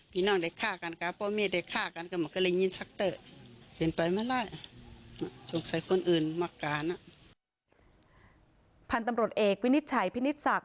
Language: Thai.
ผ่านตำรวจเอกวินิจฉัยพินิศรักษ์